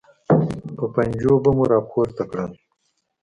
په پنجو به مو راپورته کړل.